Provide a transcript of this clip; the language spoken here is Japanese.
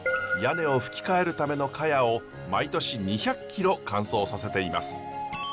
屋根を葺き替えるための茅を毎年２００キロ乾燥させています。